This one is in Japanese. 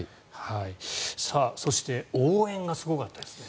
そして応援がすごかったですね。